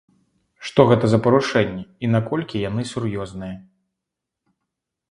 Што гэта за парушэнні і наколькі яны сур'ёзныя?